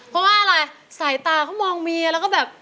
เพราะว่าอะไรสายตาเขามองเมียแล้วก็แบบ